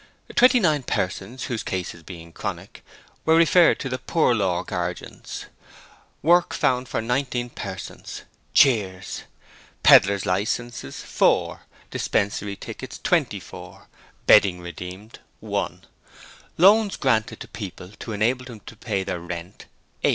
Twenty nine persons, whose cases being chronic, were referred to the Poor Law Guardians. Work found for 19 persons. (Cheers.) Pedlar's licences, 4. Dispensary tickets, 24. Bedding redeemed, 1. Loans granted to people to enable them to pay their rent, 8.